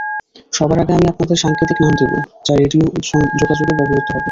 সবার আগে আমি আপনাদের সাংকেতিক নাম দিব, যা রেডিও যোগাযোগে ব্যবহৃত হবে।